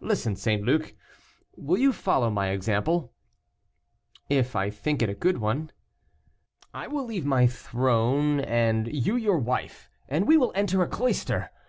"Listen, St. Luc, will you follow my example?" "If I think it a good one." "I will leave my throne, and you your wife, and we will enter a cloister.